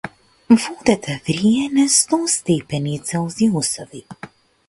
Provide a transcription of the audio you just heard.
Водата врие на сто степени целзиусови.